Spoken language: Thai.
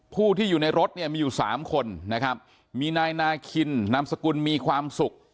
ผู้ที่อยู่ในรถเนี่ยมีอยู่สามคนนะครับมีนายนาคินนามสกุลมีความสุข